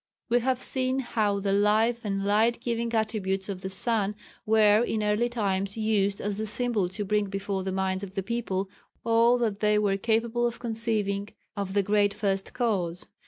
We have seen how the life and light giving attributes of the sun were in early times used as the symbol to bring before the minds of the people all that they were capable of conceiving of the great First Cause.